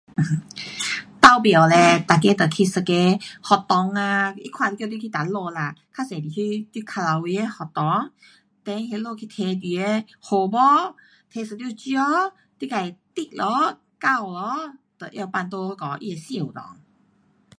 投票嘞，每个就去一个学堂啊，你看它叫你去哪里啦，较多去你靠牢围的学堂，then 那里去提你的号码，提一张纸，你自 tick 咯，钩咯，就拿放在那个它的箱内。